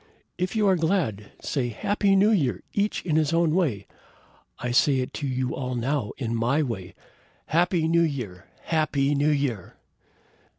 If you are glad, say Happy New Year! each in his own way! I say it to you all now in my way. Happy New Year! Happy New Year!"